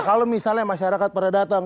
kalau misalnya masyarakat pada datang